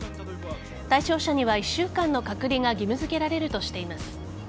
対象者には、１週間の隔離が義務付けられるとしています。